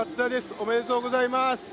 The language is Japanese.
おめでとうございます。